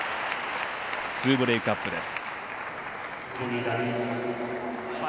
２ブレークアップです。